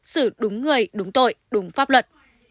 xử đúng người đúng tội đúng pháp luật